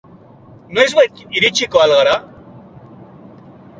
Noizbait iritsiko al gara?